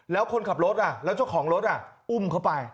แล้วคนขับรถแล้วเจ้าของรถอุ้มเขาไป